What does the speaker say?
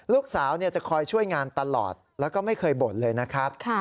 ลูกสาวจะคอยช่วยงานตลอดแล้วก็ไม่เคยบ่นเลยนะครับ